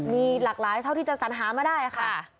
มีหลากหลายเท่าที่จะสัญหามาได้ค่ะ